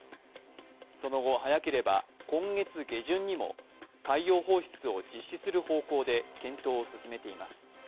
その後、早ければ今月下旬にも海洋放出を実施する方向で検討を進めています。